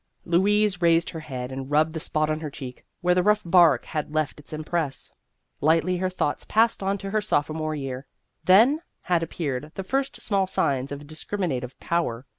Louise raised her head and rubbed the spot on her cheek where the rough bark had left its impress. Lightly her thoughts passed on to her sophomore year. Then had appeared the first small signs of dis criminative power.